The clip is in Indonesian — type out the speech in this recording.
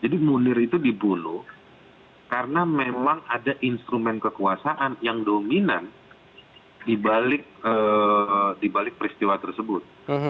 jadi munir itu dibunuh karena memang ada instrumen kekuasaan yang dominan di balik peristiwa tersebut